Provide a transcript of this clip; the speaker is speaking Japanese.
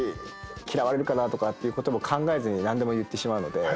嫌われるかなとか考えずに何でも言ってしまうので。